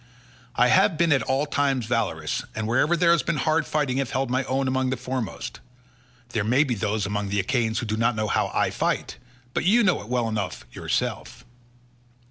I have been at all times valorous, and wherever there has been hard fighting have held my own among the foremost. There may be those among the Achaeans who do not know how I fight, but you know it well enough yourself."